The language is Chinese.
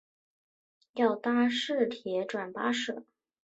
要搭市铁转巴士